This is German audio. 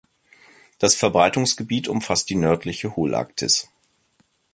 Das Verbreitungsgebiet umfasst die nördliche Holarktis.